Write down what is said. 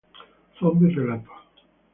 Zombis Relatos